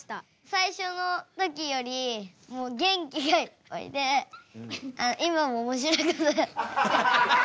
最初の時より元気がいっぱいで今もおもしろい。